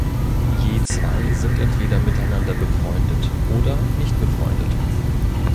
Je zwei sind entweder miteinander befreundet oder nicht befreundet.